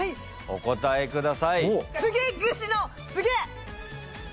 お答えください。